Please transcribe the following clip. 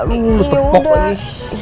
lo terpok lagi